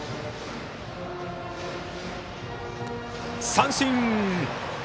三振！